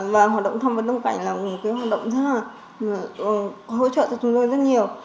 và hoạt động tham vấn đồng cảnh là một cái hoạt động rất là hỗ trợ cho chúng tôi rất nhiều